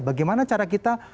bagaimana cara kita